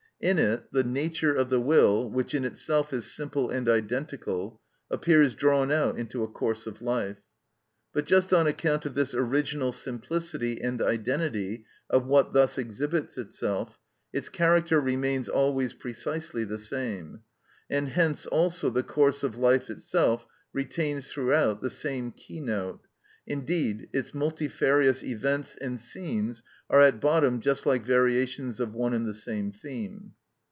In it the nature of the will, which in itself is simple and identical, appears drawn out into a course of life. But just on account of this original simplicity and identity of what thus exhibits itself, its character remains always precisely the same, and hence also the course of life itself retains throughout the same key note, indeed its multifarious events and scenes are at bottom just like variations of one and the same theme.